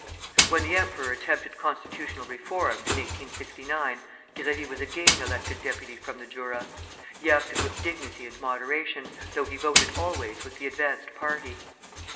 When the emperor attempted constitutional reforms, in 1869, Grévy was again elected deputy from the Jura. He acted with dignity and moderation, though he voted always with the advanced party.